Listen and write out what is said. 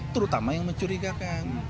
terutama yang mencurigakan